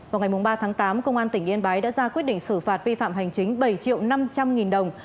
vào ngày ba tháng tám công an tỉnh yên bái đã ra quyết định xử phạt vi phạm hành chính bảy triệu năm trăm linh nghìn đồng